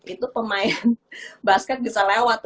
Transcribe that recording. itu pemain basket bisa lewat